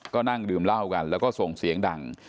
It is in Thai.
ก็นั่งดื่มเหล้ากันแล้วก็ส่งเสียงดัง